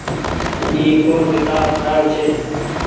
اي ڪوڻ ڪيتآب ٺآيو ڇي